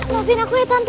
maafin aku ya tante